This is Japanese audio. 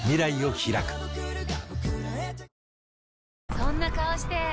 そんな顔して！